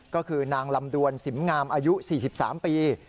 ก็คือนางลำดวนสิมงามอายุ๔๓ปี